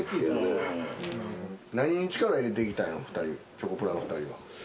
チョコプラの２人は。